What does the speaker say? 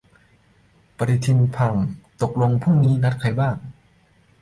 ปฏิทินพัง ตกลงพรุ่งนี้นัดใครบ้าง ?